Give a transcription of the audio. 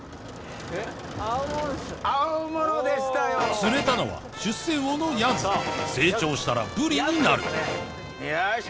釣れたのは出世魚のヤズ成長したらブリになるよいしょ。